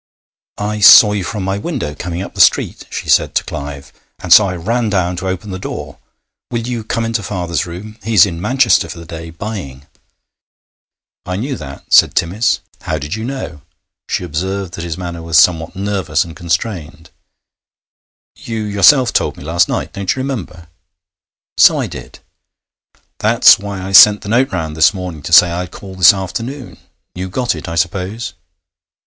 'I saw you from my window, coming up the street,' she said to Clive, 'and so I ran down to open the door. Will you come into father's room? He is in Manchester for the day, buying. 'I knew that,' said Timmis. 'How did you know?' She observed that his manner was somewhat nervous and constrained. 'You yourself told me last night don't you remember?' 'So I did.' 'That's why I sent the note round this morning to say I'd call this afternoon. You got it, I suppose?'